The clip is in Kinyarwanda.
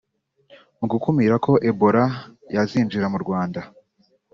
Mu gukumira ko Ebola yazinjira mu Rwanda